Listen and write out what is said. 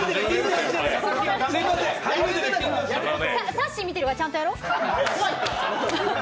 さっしー見てるからちゃんとやろう。